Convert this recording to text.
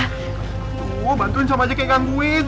tunggu bantuin sama aja kayak gangguin